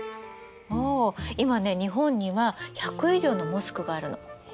今ね日本には１００以上のモスクがあるの。